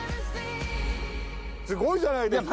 すごいじゃないですか。